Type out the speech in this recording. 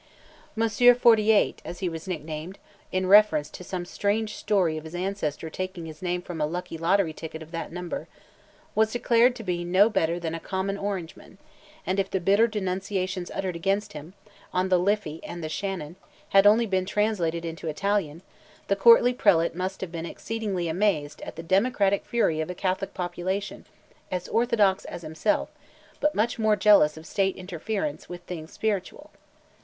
"Monsieur Forty eight," as he was nicknamed, in reference to some strange story of his ancestor taking his name from a lucky lottery ticket of that number, was declared to be no better than a common Orangeman, and if the bitter denunciations uttered against him, on the Liffey and the Shannon, had only been translated into Italian, the courtly Prelate must have been exceedingly amazed at the democratic fury of a Catholic population, as orthodox as himself, but much more jealous of State interference with things spiritual.